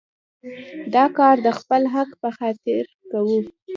دا کار د خپل حق په خاطر کوو.